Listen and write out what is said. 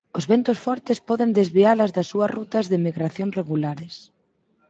Os ventos fortes poden desvialas das súas rutas de migración regulares.